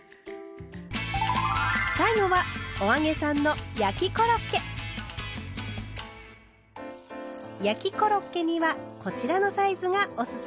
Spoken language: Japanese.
最後は焼きコロッケにはこちらのサイズがおすすめだそうです。